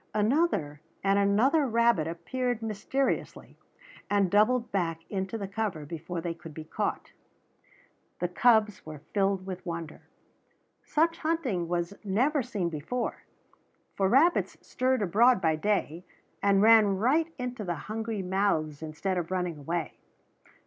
Another and another rabbit appeared mysteriously, and doubled back into the cover before they could be caught. The cubs were filled with wonder. Such hunting was never seen before; for rabbits stirred abroad by day, and ran right into the hungry mouths instead of running away.